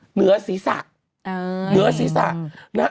เหนือศีรษะ